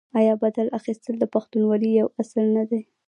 آیا بدل اخیستل د پښتونولۍ یو اصل نه دی؟